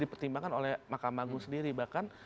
dipertimbangkan oleh mahkamah agung sendiri bahkan